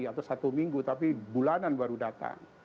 atau satu minggu tapi bulanan baru datang